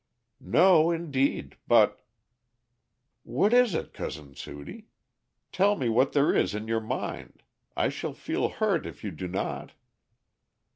"No indeed, but " "What is it Cousin Sudie? tell me what there is in your mind. I shall feel hurt if you do not."